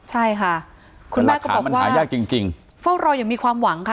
ใช่ค่ะคุณแม่ก็บอกว่าเฝ้ารออย่างมีความหวังค่ะ